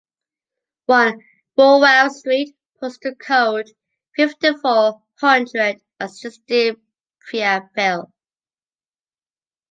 One, Rouau street, postal code fifty four, hundred and sixty, Pierreville.